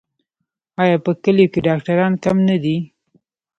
آیا په کلیو کې ډاکټران کم نه دي؟